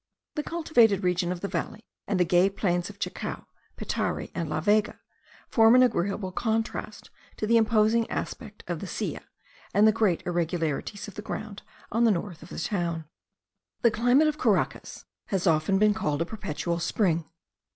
The cultivated region of the valley, and the gay plains of Chacao, Petare, and La Vega, form an agreeable contrast to the imposing aspect of the Silla, and the great irregularities of the ground on the north of the town. The climate of Caracas has often been called a perpetual spring.